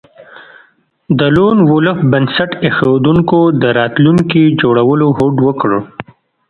د لون وولف بنسټ ایښودونکو د راتلونکي جوړولو هوډ وکړ